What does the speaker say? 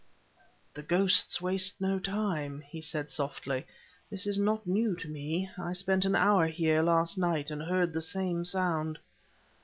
"The ghosts waste no time!" he said softly. "This is not new to me; I spent an hour here last night and heard the same sound..."